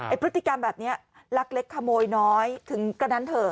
พฤติกรรมแบบนี้ลักเล็กขโมยน้อยถึงกระนั้นเถอะ